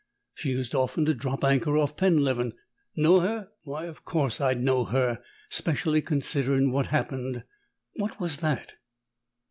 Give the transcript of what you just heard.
She used often to drop anchor off Penleven. Know her? Why of course I'd know her; 'specially considerin' what happened. "'What was that?'